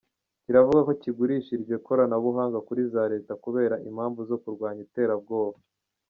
Kiravuga ko kigurisha iryo koranabunga kuri za leta kubera impamvu zo kurwanya iterabwoba.